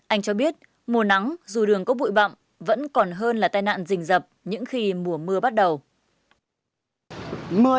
anh cho biết mùa nắng dù đường có bụi bậm vẫn còn hơn là tai nạn rình dập những khi mùa mưa bắt đầu